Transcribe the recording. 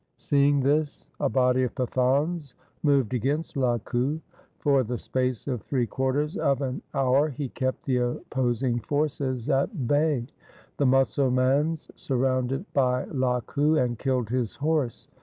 Seeing this a body of Pathans moved against Lakhu. For the space of three quarters of an hour he kept the opposing forces at bay. The Musalmans sur rounded Bhai Lakhu and killed his horse.